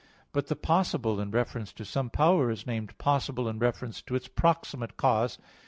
But the possible in reference to some power is named possible in reference to its proximate cause.